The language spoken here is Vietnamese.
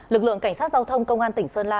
lực lượng cảnh sát giao thông công an tỉnh sơn la